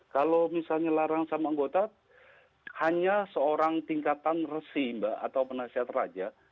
kalau misalnya larang sama anggota hanya seorang tingkatan resimba atau penasihat raja